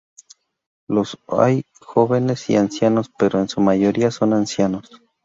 Los hay jóvenes y ancianos, pero en su mayoría son ancianos.